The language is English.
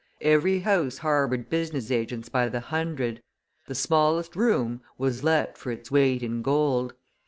every house harbored business agents by the hundred; the smallest room was let for its weight in gold.